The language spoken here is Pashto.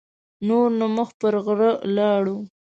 نور نو مخ پر غره لاړو.